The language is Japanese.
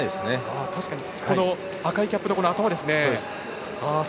赤いキャップの頭ですね。